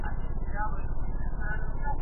هیڅ څوک د خپل راتلونکي تضمین نه سي کولای.